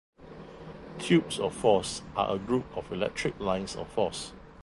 Tubes of force are a group of electric lines of force.